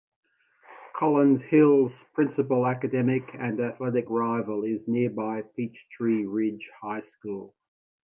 Collins Hill's principal academic and athletic rival is nearby Peachtree Ridge High School.